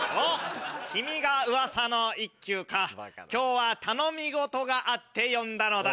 君がウワサの一休か今日は頼み事があって呼んだのだ。